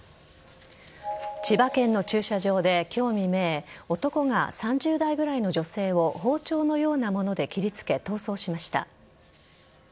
千葉県の駐車場で今日未明男が３０代ぐらいの女性を包丁のようなもので切りつけ逃走しました。